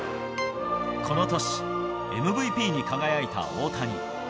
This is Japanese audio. この年、ＭＶＰに輝いた大谷。